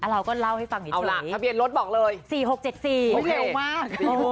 เราก็เล่าให้ฟังเฉยค่ะเอาละทะเบียนรถบอกเลย๔๖๗๔ไม่เครียดมาก